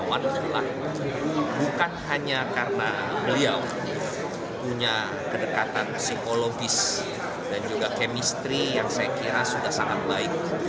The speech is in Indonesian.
rahmat darbawan adalah bukan hanya karena beliau punya kedekatan psikologis dan juga kemistri yang saya kira sudah sangat baik